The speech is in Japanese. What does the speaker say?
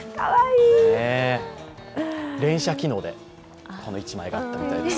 連写機能でこの一枚を撮ったみたいです。